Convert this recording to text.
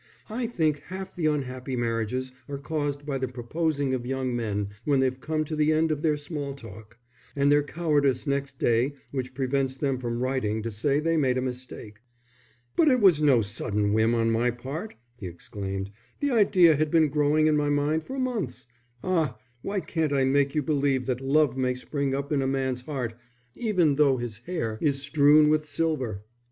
I think half the unhappy marriages are caused by the proposing of young men when they've come to the end of their small talk; and their cowardice next day which prevents them from writing to say they made a mistake." "But it was no sudden whim on my part," he exclaimed. "The idea had been growing in my mind for months. Ah, why can't I make you believe that love may spring up in a man's heart even though his hair is strewn with silver?